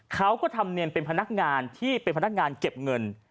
เขาก็ทำเนียนเป็นพนักงานที่เป็นพนักงานเก็บเงิน